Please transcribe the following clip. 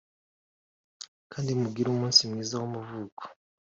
kandi mugire umunsi mwiza w'amavuko